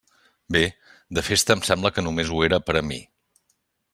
Bé, de festa em sembla que només ho era per a mi.